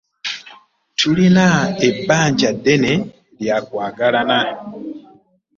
Tulina ebbanja ffena lya kwagalana.